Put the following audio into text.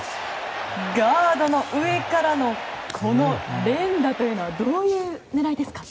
ガードの上からのこの連打というのはどういう狙いですか。